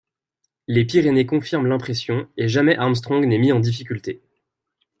Les Pyrénées confirment l'impression et jamais Armstrong n'est mis en difficulté.